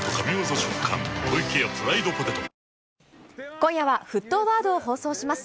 今夜は、沸騰ワードを放送します。